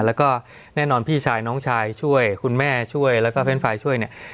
แล้วก็แน่นอนพี่ชายน้องชายช่วยคุณแม่ช่วยแล้วก็แฟนช่วยเนี่ย